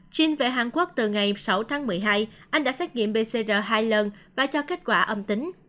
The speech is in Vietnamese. chuyên về hàn quốc từ ngày sáu tháng một mươi hai anh đã xét nghiệm pcr hai lần và cho kết quả âm tính